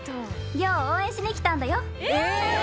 亮を応援しに来たんだよ。